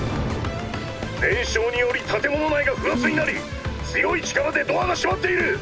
燃焼により建物内が負圧になり強い力でドアが閉まっている！